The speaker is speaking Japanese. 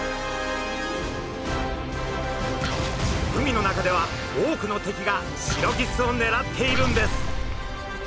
海の中では多くの敵がシロギスをねらっているんです。